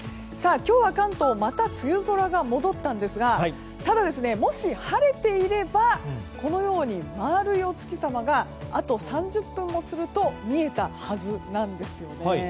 今日は関東また梅雨空が戻ったんですがただ、もし晴れていればこのように丸いお月様があと３０分もすると見えたはずなんですね。